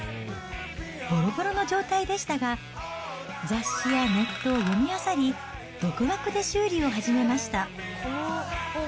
ぼろぼろの状態でしたが、雑誌やネットを読みあさり、独学で修理を始めました。